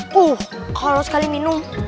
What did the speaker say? puh kalau sekali minum